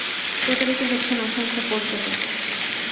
প্রতারিত হচ্ছেন অসংখ্য পর্যটক।